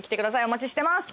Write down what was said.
お待ちしてます。